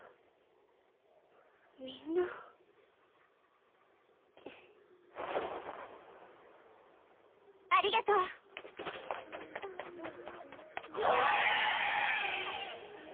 みんなありがとう声！